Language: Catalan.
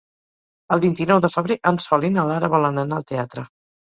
El vint-i-nou de febrer en Sol i na Lara volen anar al teatre.